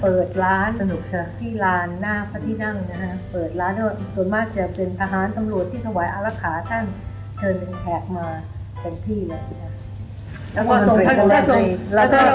เปิดร้านตัวมากจะเป็นทหารตำรวจที่สวายอาหลักขาขึ้นตอนเชิงแขกมาที่